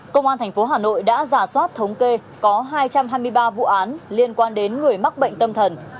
công an tp hà nội đã giả soát thống kê có hai trăm hai mươi ba vụ án liên quan đến người mắc bệnh tâm thần